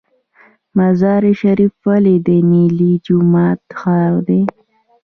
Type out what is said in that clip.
مزار شریف ولې د نیلي جومات ښار دی؟